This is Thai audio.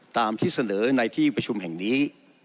ตามที่เสนอในที่ประชุมแห่งนี้